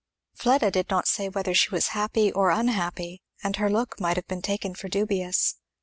Fleda did not say whether she was happy or unhappy, and her look might have been taken for dubious.